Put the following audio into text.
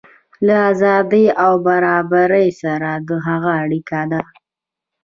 له ازادۍ او برابرۍ سره د هغه اړیکه ده.